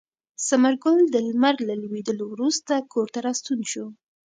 ثمر ګل د لمر له لوېدو وروسته کور ته راستون شو.